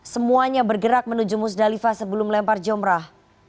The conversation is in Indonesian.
semuanya bergerak menuju musdalifah sebelum melempar jomrah